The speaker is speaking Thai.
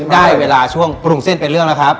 ได้เวลาช่วงปรุงเส้นเป็นเรื่องแล้วครับ